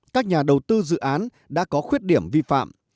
các nhà đầu tư dự án đã có khuyết điểm vi phạm